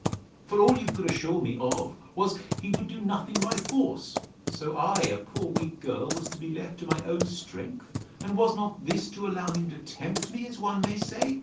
for all you could assure me of, was, he would do nothing by force; so I, a poor weak girl, was to be left to my own strength! And was not this to allow him to tempt me, as one may say?